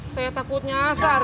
saya takutnya asal jak